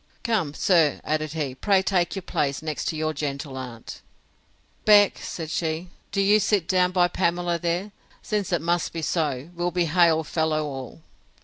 Come, sir, added he, pray take your place next your gentle aunt!—Beck, said she, do you sit down by Pamela there, since it must be so; we'll be hail fellow all!